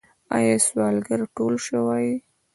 آیا سوالګر ټول شوي؟